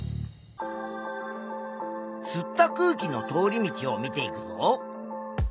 吸った空気の通り道を見ていくと。